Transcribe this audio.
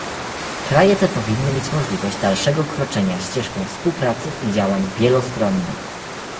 Kraje te powinny mieć możliwość dalszego kroczenia ścieżką współpracy i działań wielostronnych